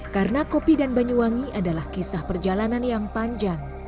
karena kopi dan banyuwangi adalah kisah perjalanan yang panjang